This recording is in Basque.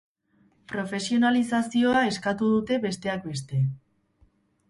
Profesionalizazioa eskatu dute besteak beste.